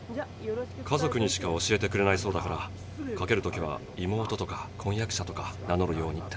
家族にしか教えてくれないそうだからかける時は妹とか婚約者とか名のるようにって。